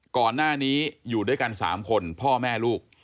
ก่อนหน้านี้อยู่ด้วยกัน๓คนพ่อแม่ลูก